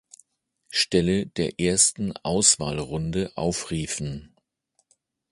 Stelle der ersten Auswahlrunde aufriefen.